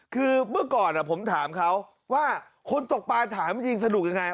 คือเมื่อก่อนผมถามเขาว่าคนตกปลาถามจริงสนุกยังไง